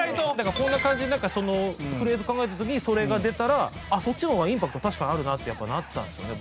こんな感じでフレーズ考えた時にそれが出たらそっちの方がインパクト確かにあるなってやっぱなったんですよね